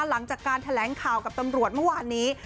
หลังจากการแถลงข่าวกับตำรวจเมื่อวานนี้